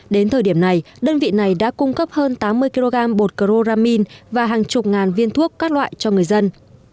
đến thời điểm này đơn vị này đã cung cấp hơn tám mươi kg bột croramine và hàng chục ngàn viên thuốc các loại cho người dân